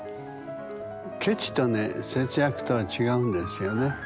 ケチとね節約とは違うんですよね。